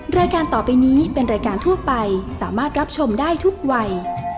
รายการต่อไปนี้เป็นรายการทั่วไปสามารถรับชมได้ทุกวัย